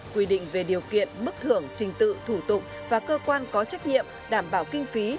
quy định về điều kiện bức thưởng trình tự thủ tụng và cơ quan có trách nhiệm đảm bảo kinh phí